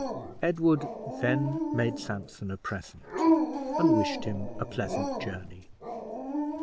Edward then made Sampson a present, and wished him a pleasant journey.